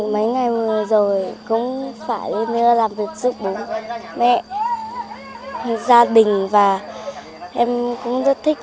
mấy ngày mưa rồi cũng phải đi làm việc giúp đỡ mẹ gia đình và em cũng rất thích